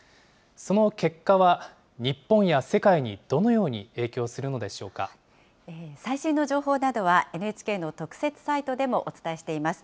その結果は日本や世界にどのよう最新の情報などは、ＮＨＫの特設サイトでもお伝えしています。